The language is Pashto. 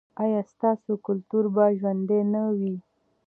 ایا ستاسو کلتور به ژوندی نه وي؟